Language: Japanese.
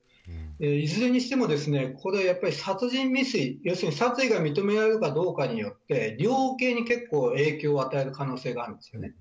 いずれにしても殺人未遂、殺意が認められるかどうかによって量刑に結構、影響を与える可能性があります。